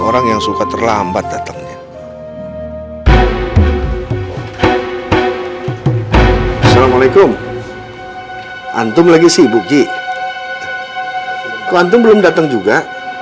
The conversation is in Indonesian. orang yang suka terlambat datangnya assalamualaikum antum lagi sibuk ji antum belum datang juga